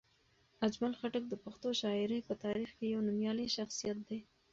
اجمل خټک د پښتو شاعرۍ په تاریخ کې یو نومیالی شخصیت دی.